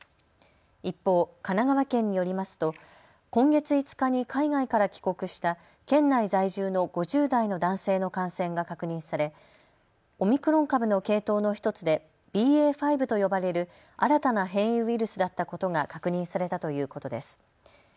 一方、神奈川県によりますと今月５日に海外から帰国した県内在住の５０代の男性の感染が確認されオミクロン株の系統の１つでＢＡ．５と呼ばれる新たな変異ウイルスだったことが確認されたということです。